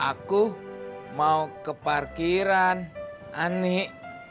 aku mau ke parkiran aneh